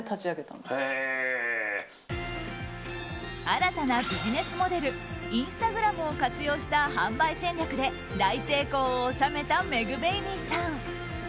新たなビジネスモデルインスタグラムを活用した販売戦略で大成功を収めたｍｅｇｂａｂｙさん。